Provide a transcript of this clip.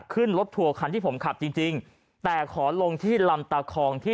ขึ้นรถทัวร์คันที่ผมขับจริงจริงแต่ขอลงที่ลำตาคองที่